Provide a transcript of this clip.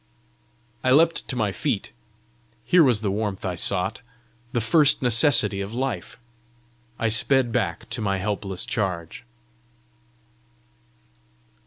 I leapt to my feet: here was the warmth I sought the first necessity of life! I sped back to my helpless charge.